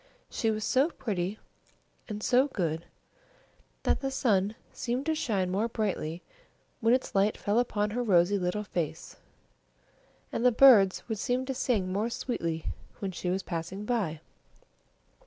She was so pretty, and so good, that the sun seemed to shine more brightly when its light fell upon her rosy little face, and the birds would seem to sing more sweetly when she was passing by.